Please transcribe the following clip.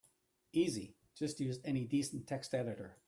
Easy, just use any decent text editor.